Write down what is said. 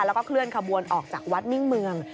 แล้วก็เคลื่อนขบวนออกจากวัดมิ่งเมือง